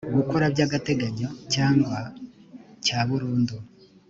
gukora by agateganyo cyangwa cya burundu